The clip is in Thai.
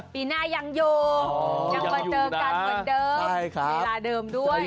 ปีหน้ายังอยู่ยังมาเจอกันเหมือนเดิมเวลาเดิมด้วย